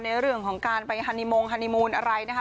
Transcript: ในเรื่องของการไปฮานิมงฮานีมูลอะไรนะคะ